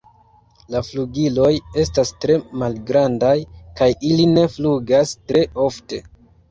La flugiloj estas tre malgrandaj kaj ili ne flugas tre ofte.